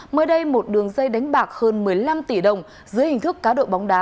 mới đây một đường dây đánh bạc hơn một mươi năm tỷ đồng dưới hình thức cá độ bóng đá